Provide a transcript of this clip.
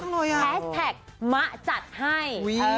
แฮชแท็กมะจัดให้